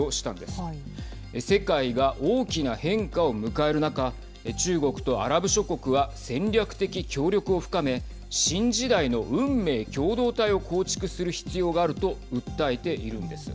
世界が大きな変化を迎える中中国とアラブ諸国は戦略的協力を深め新時代の運命共同体を構築する必要があると訴えているんです。